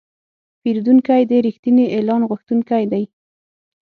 پیرودونکی د رښتیني اعلان غوښتونکی دی.